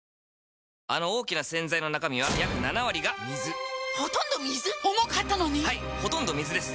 あの大きな洗剤の中身は約７割が水ほとんど水⁉重かったのに⁉はいほとんど水です